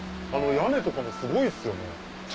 屋根とかもすごいっすよね。